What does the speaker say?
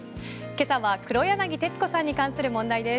今朝は黒柳徹子さんに関する問題です。